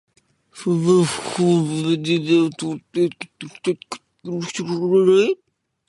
fvuufvfdivtrfvjrkvtrvuifri